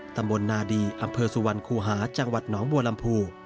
ตำบลนาดีอำเภอสุวรรณคูหาจังหวัดหนองบัวลำพู